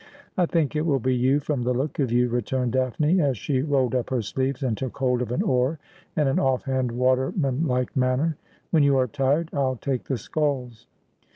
'I think it will be you, from the look of you,' returned Daphne, as she rolled up her sleeves and took hold of an oar in an off hand waterman like manner. ' When you are tired I'll take the sculls.'